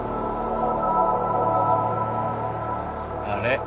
あれ？